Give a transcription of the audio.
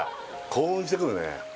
興奮してくるね